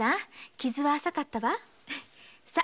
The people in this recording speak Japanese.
傷は浅かったわさ